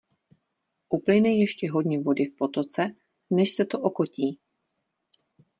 Uplyne ještě hodně vody v potoce, než se to okotí.